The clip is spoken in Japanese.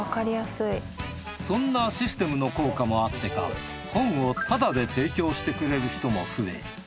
そんなシステムの効果もあってか本をタダで提供してくれる人も増え